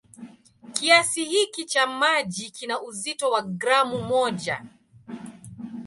Kiasi hiki cha maji kina uzito wa gramu moja.